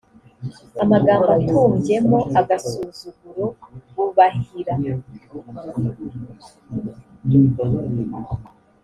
amagambo atumbyemo agasuzuguro bubahira